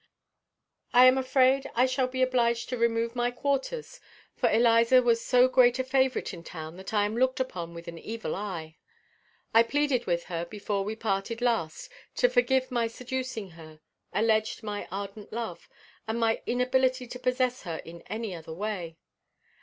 I am afraid I shall be obliged to remove my quarters, for Eliza was so great a favorite in town that I am looked upon with an evil eye. I pleaded with her, before we parted last, to forgive my seducing her, alleged my ardent love, and my inability to possess her in any other way.